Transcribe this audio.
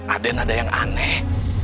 aden ada yang aneh